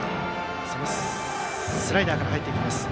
スライダーから入っていきます。